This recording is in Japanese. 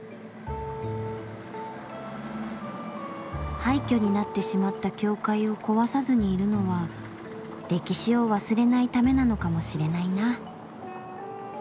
廃虚になってしまった教会を壊さずにいるのは歴史を忘れないためなのかもしれないな。